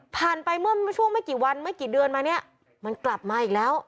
ไปเมื่อช่วงไม่กี่วันไม่กี่เดือนมาเนี่ยมันกลับมาอีกแล้ว